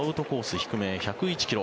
低め１０１ｋｍ。